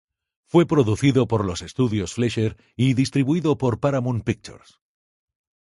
Fue producido por los estudios Fleischer y distribuido por Paramount Pictures.